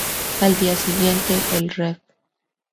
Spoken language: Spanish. Al día siguiente el Rev.